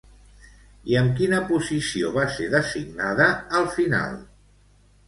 I amb quina posició va ser designada al final?